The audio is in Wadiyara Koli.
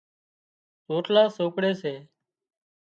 روٽلا سوپڙي سي